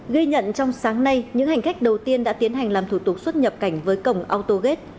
ghi nhận trong sáng nay những hành khách đầu tiên đã tiến hành làm thủ tục xuất nhập cảnh với cổng autogate